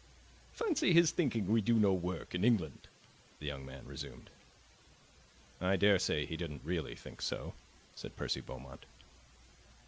"Fancy his thinking we do no work in England!" the young man resumed. "I daresay he didn't really think so," said Percy Beaumont.